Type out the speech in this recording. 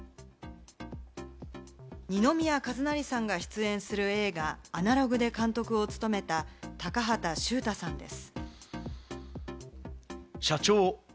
二宮和也さんが出演する映画アナログで監督を務めたタカハタ秀太さんです。